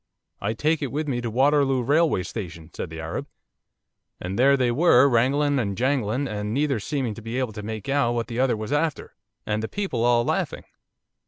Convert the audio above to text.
"I take it with me to Waterloo Railway Station," said the Arab, and there they were, wrangling and jangling, and neither seeming to be able to make out what the other was after, and the people all laughing.